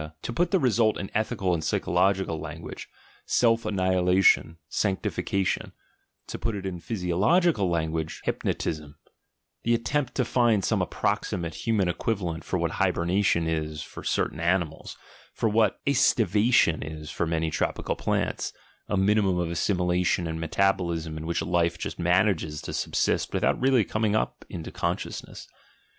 To put the result in ethical and psychological language, "self annihilation," "sanctification"; to put it in physiological language, "hypnotism" — the attempt to find some approximate human equivalent for what hibernation is for certain animals, for what (estivation is for many tropical plants, a minimum of assimilation and metab olism in which life just manages to subsist without r£ally coming into the consciousness.